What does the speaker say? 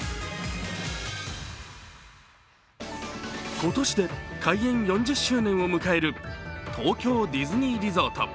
今年で開園４０周年を迎える東京ディズニーリゾート。